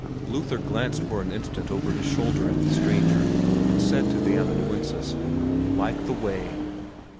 Luther glanced for an instant over his shoulder at the stranger, and said to the amanuensis, "Light the way!"